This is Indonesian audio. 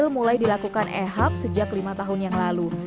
mulai dilakukan ehab sejak lima tahun yang lalu